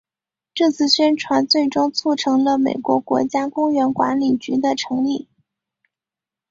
这次宣传最终促成了美国国家公园管理局的成立。